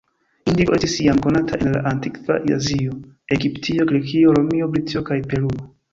Indigo estis jam konata en la antikva Azio, Egiptio, Grekio, Romio, Britio kaj Peruo.